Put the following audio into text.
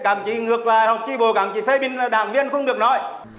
càng chỉ ngược lại hoặc tri bộ càng chỉ phê mình là đảng viên không được nói